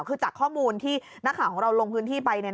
คือจากข้อมูลที่นักข่าวของเราลงพื้นที่ไป